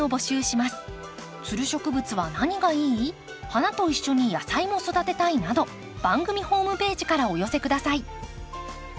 花と一緒に野菜も育てたいなど番組ホームページからお寄せ下さい。